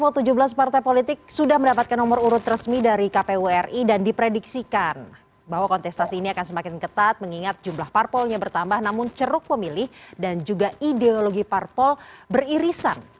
dari tujuh belas partai politik sudah mendapatkan nomor urut resmi dari kpu ri dan diprediksikan bahwa kontestasi ini akan semakin ketat mengingat jumlah parpolnya bertambah namun ceruk pemilih dan juga ideologi parpol beririsan